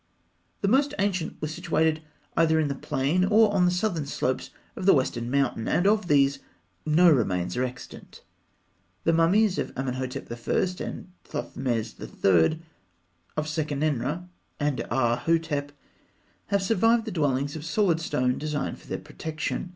The most ancient were situated either in the plain or on the southern slopes of the western mountain; and of these, no remains are extant. The mummies of Amenhotep I., and Thothmes III., of Sekenenra, and Aahhotep have survived the dwellings of solid stone designed for their protection.